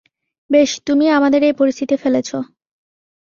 বেশ, তুমিই আমাদের এই পরিস্থিতিতে ফেলেছো।